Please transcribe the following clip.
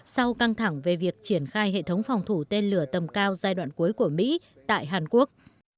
sau căng thẳng về việc triển khai hệ thống phòng thủ tên lửa tầm cao giai đoạn cuối của mỹ tại hàn quốc